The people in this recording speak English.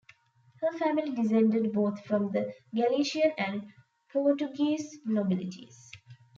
Her family descended both from the Galician and Portuguese nobilities.